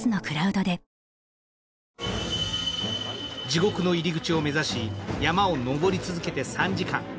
地獄の入り口を目指し、山を登り続けて３時間。